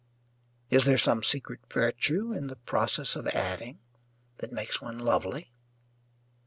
Is there some secret virtue in the process of adding that makes one lovely?